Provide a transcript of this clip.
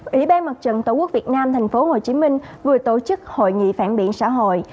ủy ban mặt trận tổ quốc việt nam tp hcm vừa tổ chức hội nghị phản biện xã hội